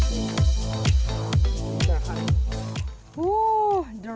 dan kita akan mencoba